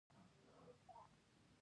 طبیعت هلته ښکلی دی.